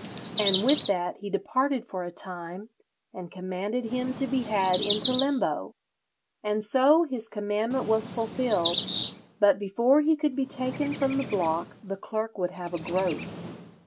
and with that he departed for a time, and commanded him to be had into limbo. And so his commandment was fulfilled; but before he could be taken from the block the clerk would have a groat.